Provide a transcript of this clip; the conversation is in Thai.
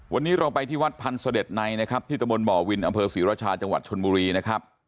วันนี้เราไปที่วัดพันธ์เสด็จในนะครับที่ตะบนบ่อวินอำเภอศรีราชาจังหวัดชนบุรีนะครับ